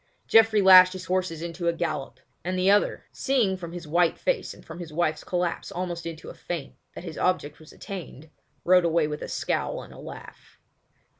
Geoffrey lashed his horses into a gallop, and the other, seeing from his white face and from his wife's collapse almost into a faint that his object was attained, rode away with a scowl and a laugh.